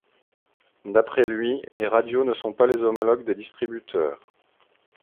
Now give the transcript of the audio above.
D'après lui, les radios ne sont pas les homologues des distributeurs.